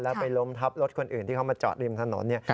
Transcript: แล้วไปล้มทับรถคนอื่นที่เขามาจอดริมถนนเนี่ย